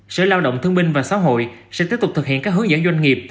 sở lao động thương binh và xã hội sẽ tiếp tục thực hiện các hướng dẫn doanh nghiệp